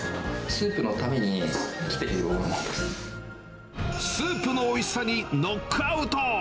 スープのために来ているようスープのおいしさにノックアウト。